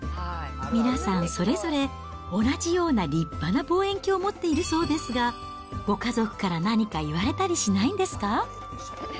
皆さんそれぞれ、同じような立派な望遠鏡を持っているそうですが、ご家族から何か言われたりしないんですか？